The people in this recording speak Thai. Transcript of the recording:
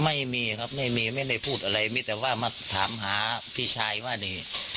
ไม่มีครับไม่มีไม่ได้พูดอะไรมีแต่ว่ามาถามหาพี่ชายว่านี่